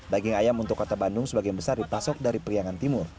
daging ayam untuk kota bandung sebagian besar dipasok dari priangan timur